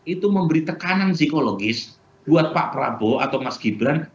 itu memberi tekanan psikologis buat pak prabowo atau mas gibran